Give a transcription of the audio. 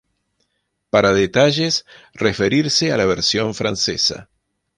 Para detalles, referirse a la versión francesa